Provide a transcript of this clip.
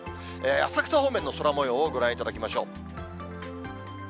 浅草方面の空もようをご覧いただきましょう。